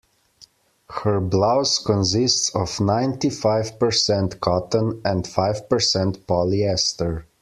Her blouse consists of ninety-five percent cotton and five percent polyester.